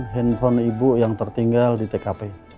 handphone ibu yang tertinggal di tkp